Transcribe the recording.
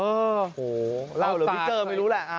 เออโอ้โหเล่าเหรอพี่เจอร์ไม่รู้แหละอ่า